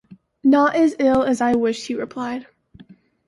“Not as ill as I wish,” he replied.